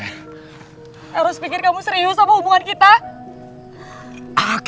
harus pikir kamu serius apa hubungan kita